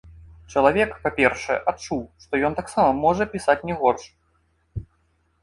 Чалавек, па-першае, адчуў, што ён таксама можа пісаць не горш.